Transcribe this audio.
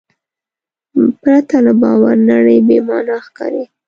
پرته له باور نړۍ بېمانا ښکاري.